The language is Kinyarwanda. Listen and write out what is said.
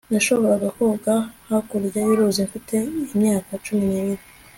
Nashoboraga koga hakurya yuruzi mfite imyaka cumi nibiri